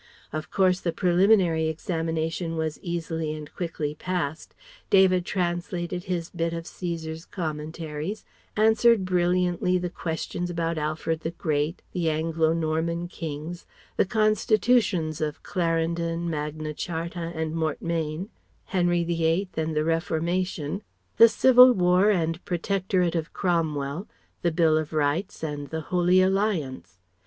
Of course the preliminary examination was easily and quickly passed. David translated his bit of Caesar's commentaries, answered brilliantly the questions about Alfred the Great, the Anglo Norman kings, the Constitutions of Clarendon, Magna Charta and Mortmain, Henry the Eighth and the Reformation, the Civil War and Protectorate of Cromwell, the Bill of Rights and the Holy Alliance.